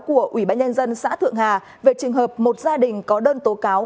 của ubnd xã thượng hà về trường hợp một gia đình có đơn tố cáo